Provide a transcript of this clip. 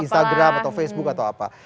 instagram atau facebook atau apa